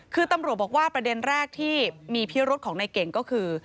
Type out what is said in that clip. คือตำรวจบอกว่าประเด็นแรกที่มีพิรุธของนายเก่งก็คือ